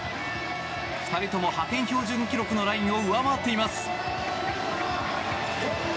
２人とも派遣標準記録のラインを上回っています。